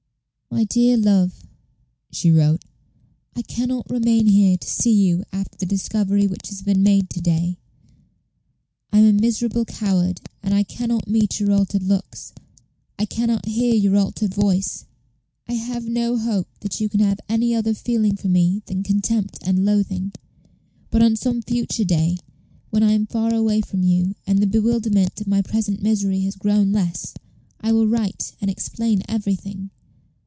"MY DEAR LOVE," she wrote, "I can not remain here to see you after the discovery which has been made to day. I am a miserable coward, and I can not meet your altered looks, I can not hear your altered voice. I have no hope that you can have any other feeling for me than contempt and loathing. But on some future day, when I am far away from you, and the bewilderment of my present misery has grown less, I will write, and explain everything.